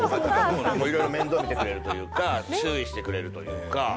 いろいろ面倒見てくれるというか、注意してくれるというか。